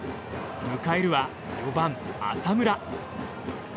迎えるは４番、浅村。